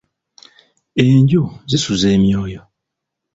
Enju zisuza emyoyo.